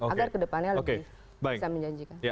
agar ke depannya lebih bisa menjanjikan